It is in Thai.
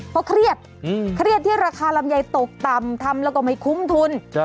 เพราะเครียดเครียดที่ราคาลำไยตกต่ำทำแล้วก็ไม่คุ้มทุน